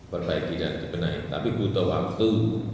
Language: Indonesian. perbaikinan dikenai tapi butuh waktu